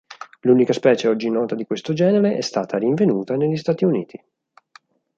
L'unica specie oggi nota di questo genere è stata rinvenuta negli Stati Uniti.